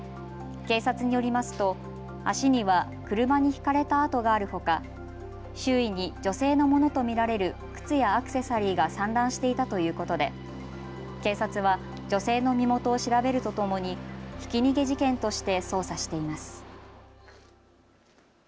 警察によりますと足には車にひかれたあとがあるほか周囲に女性のものと見られる靴やアクセサリーが散乱していたということで警察は女性の身元を調べるとともにひき逃げ事件として捜査しています。